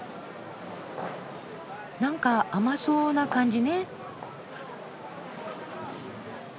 なんか甘そうな感じね。